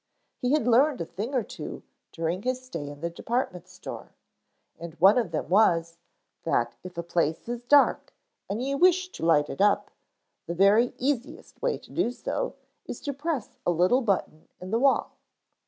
He had learned a thing or two during his stay in the department store, and one of them was that if a place is dark and you wish to light it up, the very easiest way to do so is to press a little button in the wall.